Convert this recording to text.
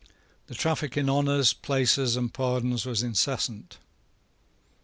The traffic in honours, places, and pardons was incessant.